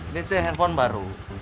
ini tuh handphone baru